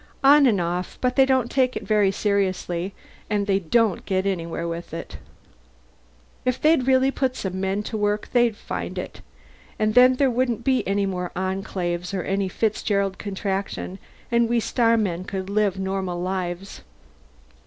"On and off. But they don't take it very seriously and they don't get anywhere with it. If they'd really put some men to work they'd find it and then there wouldn't be any more Enclaves or any Fitzgerald Contraction, and we starmen could live normal lives."